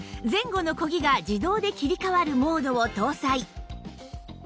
前後のこぎが自動で切り替わるモードを搭載